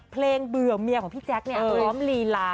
เพลงเบื่อเมียของพี่แจ๊คนี่ออกร้อมลีลา